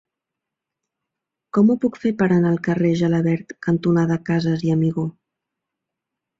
Com ho puc fer per anar al carrer Gelabert cantonada Casas i Amigó?